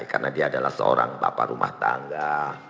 karena dia adalah seorang bapak rumah tangga